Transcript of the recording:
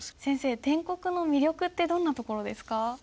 先生篆刻の魅力ってどんなところですか？